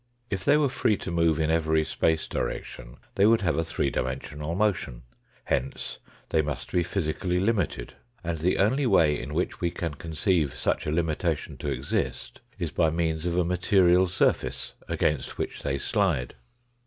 If they were free to move in every space direction, they would have a three dimensional motion ; hence they must be physically limited, and the only way in which we can conceive such a limitation to exist is by means of a material surface against which they slide.